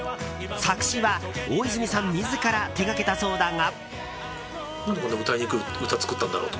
作詞は、大泉さん自ら手掛けたそうだが。